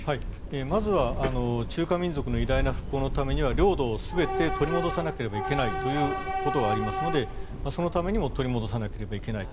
まずは中華民族の偉大な復興のためには領土を全て取り戻さなければいけないということがありますのでそのためにも取り戻さなくてはいけない。